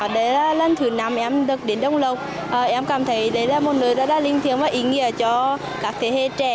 đấy là lần thứ năm em được đến đồng lộc em cảm thấy đấy là một nơi đã đạt linh thiêng và ý nghĩa cho các thế hệ trẻ